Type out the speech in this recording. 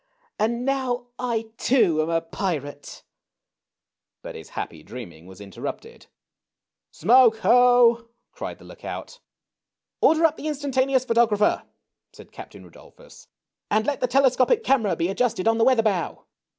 And now I, too, am a pirate !" But his happy dreaming was interrupted. " Smoke ho !" cried the lookout. " Order up the Instantaneous Photographer !" said Captain Rudolphus ;" and let the telescopic camera be adjusted on the weather bow